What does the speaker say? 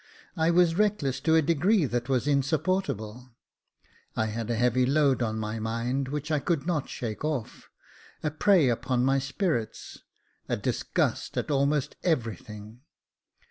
I was reckless to a degree that was insupportable. I had a heavy load on my mind which I could not shake off — a prey upon my spirits — a disgust at almost every thing.